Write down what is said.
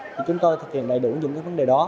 thì chúng tôi thực hiện đầy đủ những cái vấn đề đó